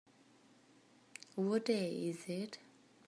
What day is it?